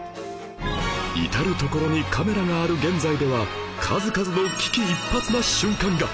至る所にカメラがある現在では数々の危機一髪の瞬間が